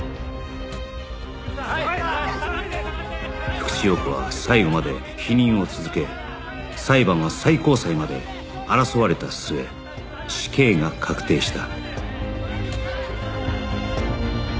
福地陽子は最後まで否認を続け裁判は最高裁まで争われた末死刑が確定した